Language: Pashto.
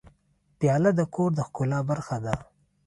پیاله د کور د ښکلا برخه ده.